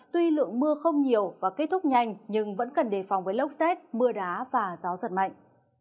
tuy lượng mưa không nhiều và kết thúc nhanh nhưng vẫn cần đề phòng với lốc xét mưa đá và gió giật mạnh